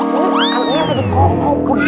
ini makan ini sampai dikukuk begit